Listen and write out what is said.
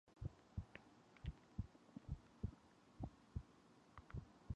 The family seat is Williamstrip House, near Cotswold, Gloucestershire.